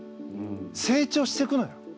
成長していくのよ。